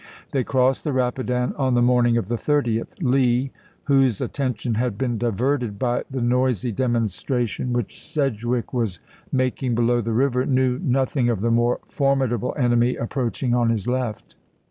They crossed the Rapid an on the morning of the 30th. Lee, whose attention had been diverted by the noisy demonstration which CHANCELLORSVILLE 93 Sedgwick was making below the river, knew noth chap. iv. ing of the more formidable enemy approaching on his left.